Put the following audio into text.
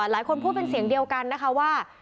หลายคนพูดเป็นเสียงเดียวกันนะคะว่า